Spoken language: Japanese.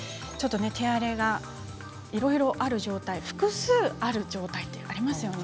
手荒れがいろいろある状態複数ある状態がありますよね。